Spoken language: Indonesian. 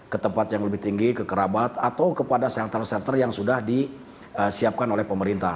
ketempat yang lebih tinggi ke kerabat atau kepada center center yang sudah disiapkan oleh pemerintah